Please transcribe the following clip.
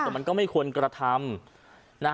แต่มันก็ไม่ควรกระทำ